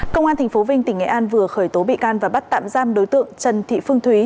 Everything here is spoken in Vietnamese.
công an tp vinh tỉnh nghệ an vừa khởi tố bị can và bắt tạm giam đối tượng trần thị phương thúy